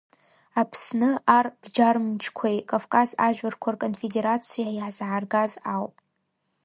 Аԥсны Арбџьармычқәеи Кавказ ажәларқәа Рконфедератцәеи иаҳзааргаз ауп.